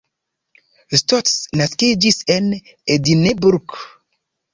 Scott naskiĝis en Edinburgh.